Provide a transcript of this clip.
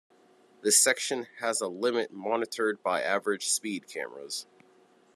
This section has a limit monitored by average speed cameras.